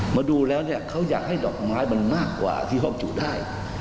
มาดูแล้วเนี่ยเขาอยากให้ดอกไม้มันมากกว่าที่เขาจุดได้